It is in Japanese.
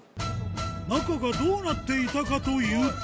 中がどうなっていたかというと